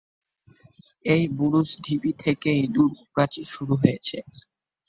এই বুরুজ ঢিবি থেকেই দুর্গ প্রাচীর শুরু হয়েছে।